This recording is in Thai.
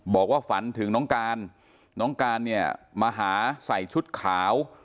ฝันถึงน้องการน้องการเนี่ยมาหาใส่ชุดขาว